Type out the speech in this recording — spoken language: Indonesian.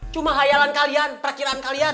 cuma halian kalian perakhiran kalian